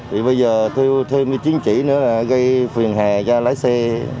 thì bây giờ thêm cái chính trị nữa là gây phiền hề cho lái xe